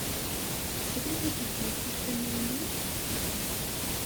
Tesliḍ i tezlit-is tamaynut?